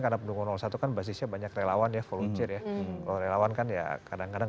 karena pendukung satu kan basisnya banyak relawan ya volunteer ya kalau relawan kan ya kadang kadang